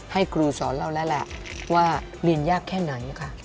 ให้ครูสอนเราแล้วแหละว่าเรียนยากแค่ไหนค่ะ